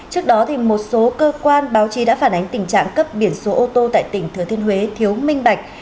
trước đó một số cơ quan báo chí đã phản ánh tình trạng cấp biển số ô tô tại tỉnh thừa thiên huế thiếu minh bạch